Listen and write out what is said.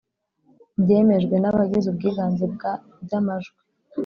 Byemejwe n abagize ubwiganze bwa by amajwi